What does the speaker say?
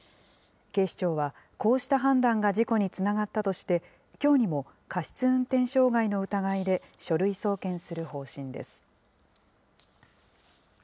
警視庁は、こうした判断が事故につながったとして、きょうにも、過失運転傷害の疑いで書類送検する方針です。